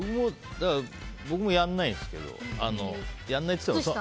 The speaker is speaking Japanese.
僕もやらないんですけどやらないというか。